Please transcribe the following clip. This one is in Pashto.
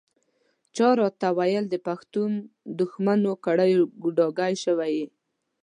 چا راته ویل د پښتون دښمنو کړیو ګوډاګی شوی یې.